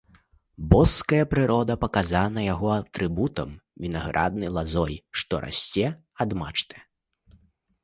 Боская прырода паказана яго атрыбутам, вінаграднай лазой, што расце ад мачты.